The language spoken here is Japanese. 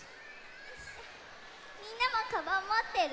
みんなもカバンもってる？